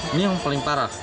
ini yang paling parah